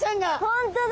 本当だ。